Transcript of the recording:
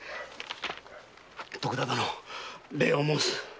徳田殿礼を申す。